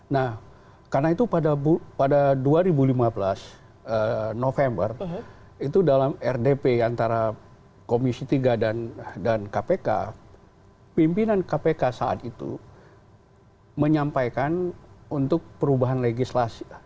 nah karena itu pada dua ribu lima belas november itu dalam rdp antara komisi tiga dan kpk pimpinan kpk saat itu menyampaikan untuk perubahan legislasi